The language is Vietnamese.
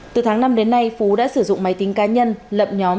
từ tháng năm đến nay phú đã sử dụng máy tính cá nhân